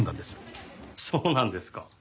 そうなんですか。